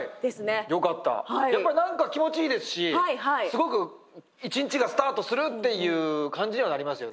やっぱり何か気持ちいいですしすごく一日がスタートするっていう感じにはなりますよね。